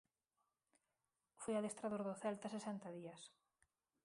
Foi adestrador do Celta sesenta días.